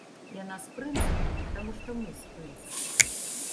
Яна з прынцыпамі, таму што мы з прынцыпамі.